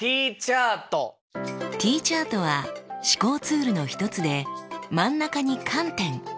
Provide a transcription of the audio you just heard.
Ｔチャートは思考ツールの一つで真ん中に「観点」。